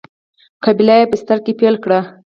قبیله یي بستر کې پیل کړی.